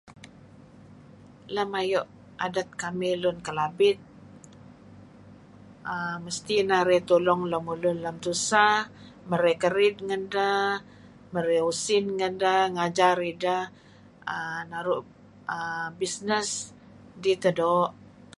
Lam ay'uh adat ka'mih lun kelabit..[aah]masti ina'rih tolong lamulun lam tusah...marey karid ngadah...marey usin ngadah..ngajar idah[aah]naruh[aah]business..dih tah do.